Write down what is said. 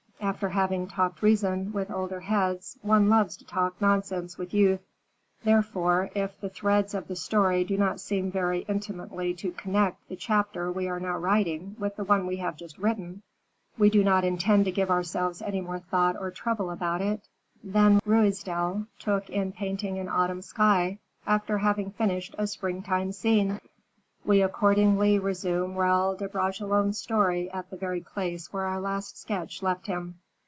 After having talked reason with older heads, one loves to talk nonsense with youth. Therefore, if the threads of the story do not seem very intimately to connect the chapter we are now writing with the one we have just written, we do not intend to give ourselves any more thought or trouble about it than Ruysdael took in painting an autumn sky, after having finished a spring time scene. We accordingly resume Raoul de Bragelonne's story at the very place where our last sketch left him.